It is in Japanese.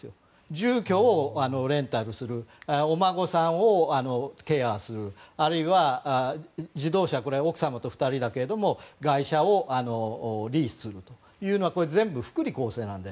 住居をレンタルするお孫さんをケアするあるいは自動車奥様と２人だけれども外車をリースするというのは全部、福利厚生なので。